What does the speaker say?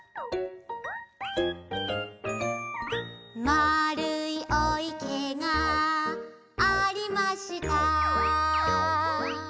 「まるいお池がありました」